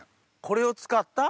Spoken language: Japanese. これを使った？